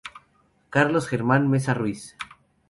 Carlos Germán Mesa Ruiz.